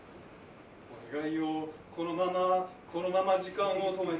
「時間よこのままこのまま時間を止めて」